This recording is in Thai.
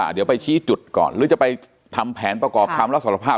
เดี๋ยวไปชี้จุดก่อนหรือจะไปทำแผนประกอบคำรับสารภาพ